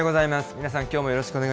皆さん、きょうもよろしくお願い